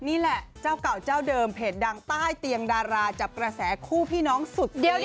นี่แหละเจ้าเก่าเจ้าเดิมเพจดังใต้เตียงดาราจับกระแสคู่พี่น้องสุดเด็ด